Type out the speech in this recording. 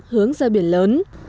hướng ra biển lớn